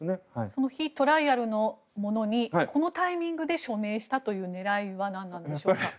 その非トライアルのものにこのタイミングで署名したという狙いは何でしょう。